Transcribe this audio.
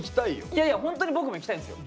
いやいやホントに僕も行きたいんですよ。